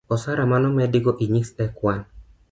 osara manomedi go inyis e kwan